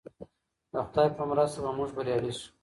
د خدای په مرسته به موږ بریالي سو.